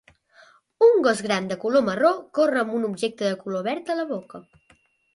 Un gos gran de color marró corre amb un objecte de color verd a la boca.